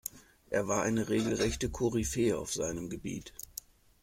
Er war eine regelrechte Koryphäe auf seinem Gebiet.